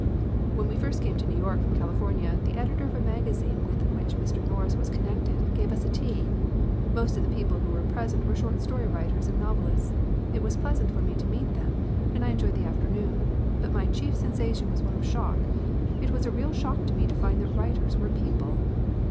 "When we first came to New York from Califor nia the editor of a magazine with which Mr. Norris was connected gave us a tea. Most of the people wlio were present were short story writers and novelists. It was pleasant for me to meet them, and I enjoyed the afternoon. But my chief sensation was one of shock it was a real shock to me to find that writers were people!